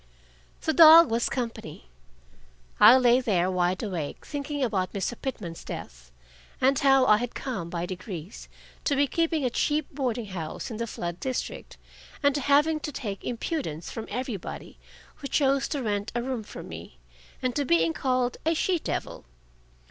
The dog was company. I lay there, wide awake, thinking about Mr. Pitman's death, and how I had come, by degrees, to be keeping a cheap boarding house in the flood district, and to having to take impudence from everybody who chose to rent a room from me, and to being called a she devil.